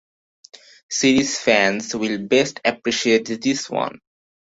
Series fans will best appreciate this one.